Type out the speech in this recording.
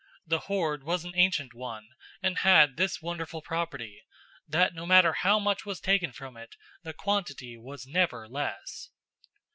The hoard was an ancient one and had this wonderful property that no matter how much was taken from it the quantity was never less.